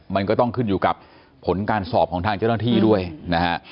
มันก็ต้องขึ้นอยู่กับผลการสอบของทางเจ้าหน้าที่ด้วยนะฮะ